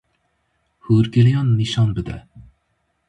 Hûrgiliyan nîşan bide.